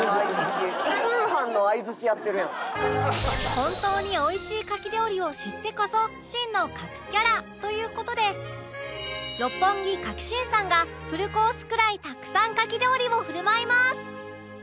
本当においしい牡蠣料理を知ってこそ真の牡蠣キャラという事で六本木かき心さんがフルコースくらいたくさん牡蠣料理を振る舞います